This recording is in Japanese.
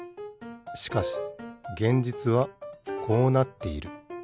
しかし現実はこうなっている。